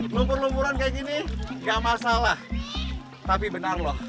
lompat lompat kayak gini gak masalah tapi benar loh